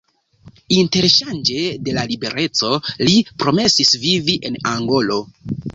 Interŝanĝe de la libereco, li promesis vivi en Angolo.